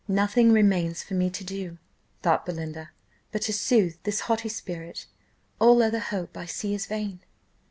Nothing remains for me to do, thought Belinda, but to sooth this haughty spirit: all other hope, I see, is vain.